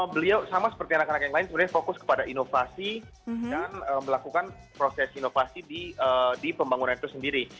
beliau sama seperti anak anak yang lain sebenarnya fokus kepada inovasi dan melakukan proses inovasi di pembangunan itu sendiri